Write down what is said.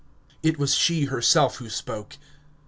It was she herself who spoke.